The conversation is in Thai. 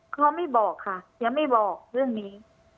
เขาไม่บอกค่ะยังไม่บอกเรื่องนี้